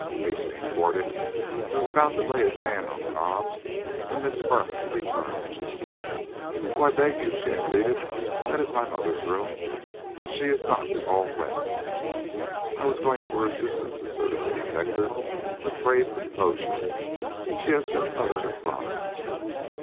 Hastening toward it, he was about to lay his hand on the knob when Miss Firman returned. "Oh, I beg you," she entreated. "That is my mother's room, and she is not at all well." "I was going to her assistance," asserted the detective, with grave composure. "She has just uttered a cry."